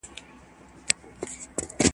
چي مي زړه ته رانیژدې وي هغه ټول راڅخه تللي ..